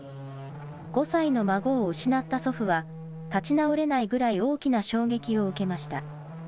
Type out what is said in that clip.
５歳の孫を失った祖父は、立ち直れないぐらい大きな衝撃を受けました。